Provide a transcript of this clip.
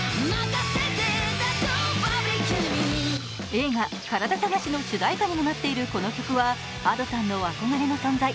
映画「カラダ探し」の主題歌にもなっているこの曲はＡｄｏさんの憧れの存在